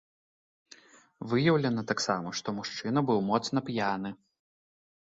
Выяўлена таксама, што мужчына быў моцна п'яны.